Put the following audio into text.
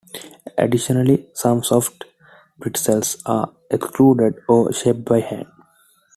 Additionally, some soft pretzels are extruded or shaped by hand.